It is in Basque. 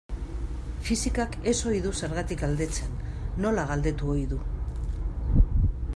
Fisikak ez ohi du zergatik galdetzen, nola galdetu ohi du.